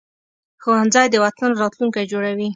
ښوونځی د وطن راتلونکی جوړوي